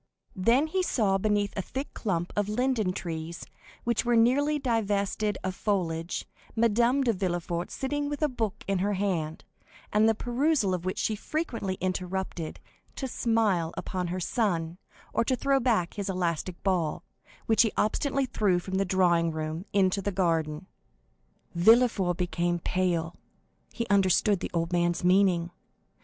Then he saw beneath a thick clump of linden trees, which were nearly divested of foliage, Madame de Villefort sitting with a book in her hand, the perusal of which she frequently interrupted to smile upon her son, or to throw back his elastic ball, which he obstinately threw from the drawing room into the garden. Villefort became pale; he understood the old man's meaning.